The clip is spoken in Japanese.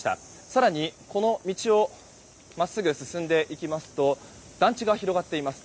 更に、この道を真っすぐ進んでいきますと団地が広がっています。